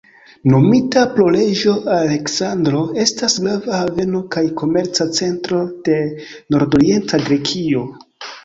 Nomita pro Reĝo Aleksandro, estas grava haveno kaj komerca centro de nordorienta Grekio.